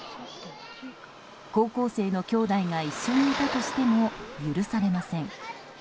高校生のきょうだいが一緒にいたとしても許されません。